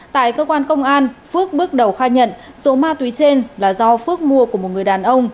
tại cơ quan công an phước bước đầu khai nhận số ma túy trên là do phước mua của một người đàn ông